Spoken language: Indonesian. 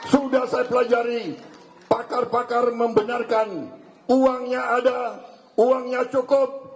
sudah saya pelajari pakar pakar membenarkan uangnya ada uangnya cukup